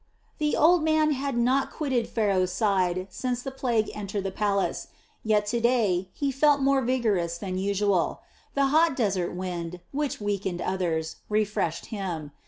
The old man had not quitted Pharaoh's side since the plague entered the palace, yet to day he felt more vigorous than usual; the hot desert wind, which weakened others, refreshed him.